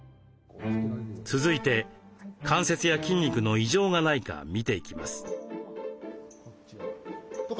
続いて関節や筋肉の異常がないか診ていきます。